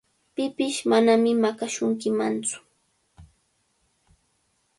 Pipish manami maqashunkimantsu.